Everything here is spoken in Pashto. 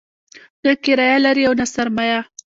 نه کرايه لري او نه سرمایه.